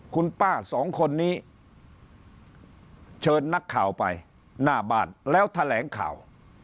คุณป้าสองคนนี้เชิญนักข่าวไปหน้าบ้านแล้วแถลงข่าว